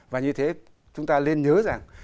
và như thế chúng ta nên nhớ rằng